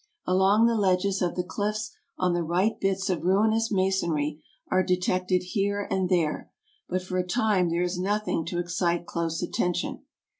Aiong the ledges of the cliffs on the right bits of ruinous masonry are detected here and there, but for a time there is nothing to excite close attention.